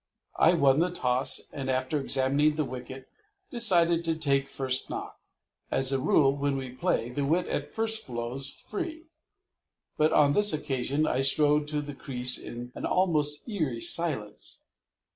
I won the toss and after examining the wicket decided to take first knock. As a rule when we play the wit at first flows free, but on this occasion I strode to the crease in an almost eerie silence.